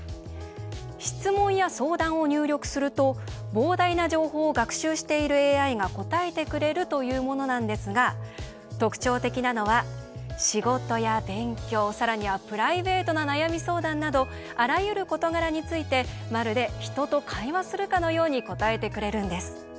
質問や相談を入力すると膨大な情報を学習しているＡＩが答えてくれるというものなんですが特徴的なのは仕事や勉強さらにはプライベートな悩み相談などあらゆる事柄についてまるで人と会話するかのように答えてくれるんです。